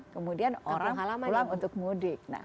kemudian orang pulang untuk mudik